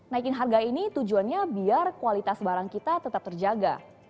naikin harga ini tujuannya biar kualitas barang kita tetap terjaga